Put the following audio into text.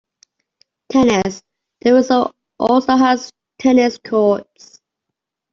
Tennis - The resort also has tennis courts.